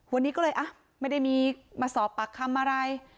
วันนี้ก็เลยไม่ได้มีมาสอบปากคำอะไร